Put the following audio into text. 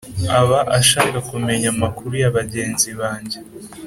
aba ashaka kumenya amakuru yabagenzi banjye